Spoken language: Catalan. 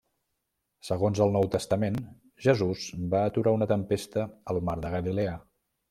Segons el Nou Testament Jesús va aturar una tempesta al Mar de Galilea.